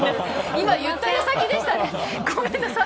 今言ったやさきでしたね。